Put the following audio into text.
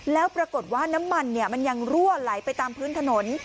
แล้วปรากฏว่าน้ำมันมันยังรั่วไหลไปตามพื้นถนน